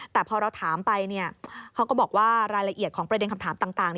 แต่พอเราถามไปเขาก็บอกว่ารายละเอียดของประเด็นคำถามต่าง